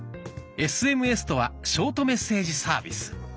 ＳＭＳとはショートメッセージサービス。